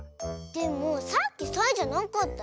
でもさっきサイじゃなかったよ。